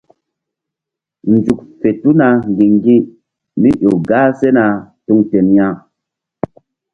Nzuk tuna ŋgi̧ŋgi̧mí ƴo gah sena tuŋ ten ya.